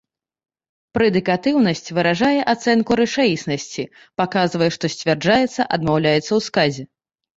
Прэдыкатыўнасць выражае ацэнку рэчаіснасці, паказвае, што сцвярджаецца адмаўляецца ў сказе.